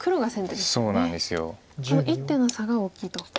この１手の差が大きいと。